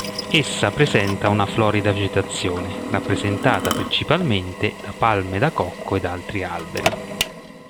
Essa presenta una florida vegetazione, rappresentata principalmente da palme da cocco ed altri alberi.